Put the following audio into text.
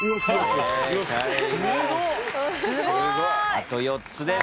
あと４つです。